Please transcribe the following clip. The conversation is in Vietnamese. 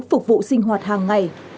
phục vụ sinh hoạt hàng ngày